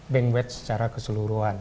bank wedge secara keseluruhan